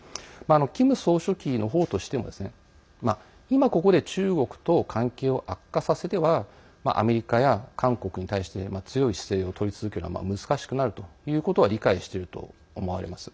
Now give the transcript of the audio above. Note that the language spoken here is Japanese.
キム総書記のほうとしても今、ここで中国と関係を悪化させてはアメリカや韓国に対して強い姿勢をとり続けるのは難しくなるということは理解していると思われます。